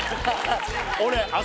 俺。